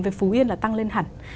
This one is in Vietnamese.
về phú yên là tăng lên hẳn